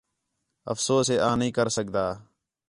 افسوس ہے آں نِھیں کر سڳدا